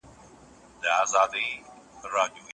په ګودر کي لنډۍ ژاړي د منګیو جنازې دي